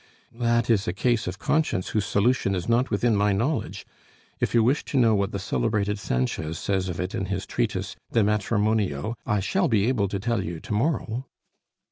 "That is a case of conscience whose solution is not within my knowledge. If you wish to know what the celebrated Sanchez says of it in his treatise 'De Matrimonio,' I shall be able to tell you to morrow."